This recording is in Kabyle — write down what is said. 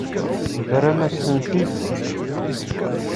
Terram-as-tent-id?